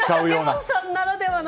竹俣さんならではの。